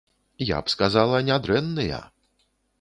Я б сказала, нядрэнныя!